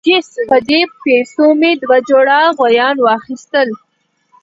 په دې پیسو مې دوه جوړه غویان واخیستل.